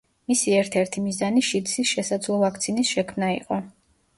მისი ერთ-ერთი მიზანი შიდსის შესაძლო ვაქცინის შექმნა იყო.